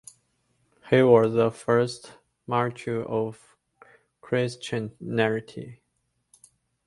He was the first martyr of Christianity.